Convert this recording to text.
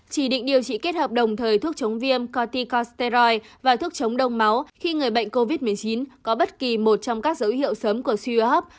chỉ định điều trị kết hợp đồng thời thuốc chống viêm corticosteroid và thuốc chống đông máu khi người bệnh covid một mươi chín có bất kỳ một trong các dấu hiệu sớm của cuhub